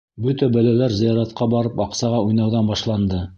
Бөтә бәләләр зыяратҡа барып аҡсаға уйнауҙан башланды.